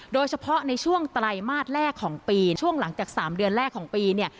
โดยเฉพาะในช่วงไตรมาสแรกของปีช่วงหลังจาก๓เดือนแรกของปีเนี่ย